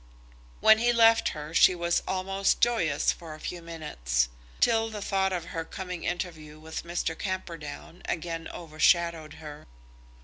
When he left her she was almost joyous for a few minutes; till the thought of her coming interview with Mr. Camperdown again overshadowed her.